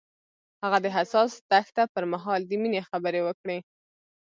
هغه د حساس دښته پر مهال د مینې خبرې وکړې.